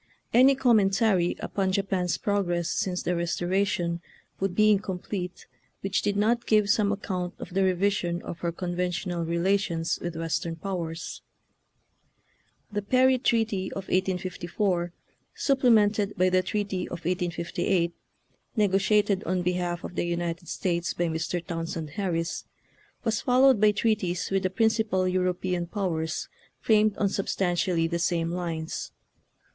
Any commentary upon Japan's prog ress since the Eestoration would be in complete which did not give some ac count of the revision of her conventional relations with. Western powers. The Perry treaty of 1854, supplemented by the treaty of 1858, negotiated on behalf of the United States by Mr. Townsend Harris, was followed by treaties with the principal European powers framed on substantially the same lines.